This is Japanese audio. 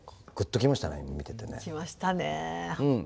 きましたね。